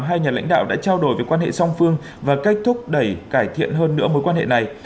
hai nhà lãnh đạo đã trao đổi về quan hệ song phương và cách thúc đẩy cải thiện hơn nữa mối quan hệ này